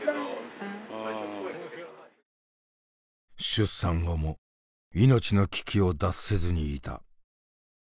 出産後も命の危機を脱せずにいた。